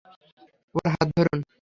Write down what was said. ওর হাত ধরুন।